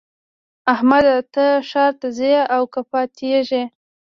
احمده! ته ښار ته ځې او که پاته کېږې؟